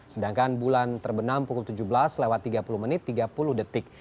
sedangkan bulan terbenam pukul tujuh belas lewat tiga puluh menit tiga puluh detik